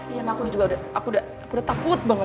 iya ma aku juga udah takut banget